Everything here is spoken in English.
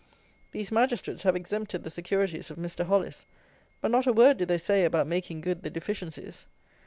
These Magistrates have exempted the securities of Mr. Hollis, but not a word do they say about making good the deficiencies.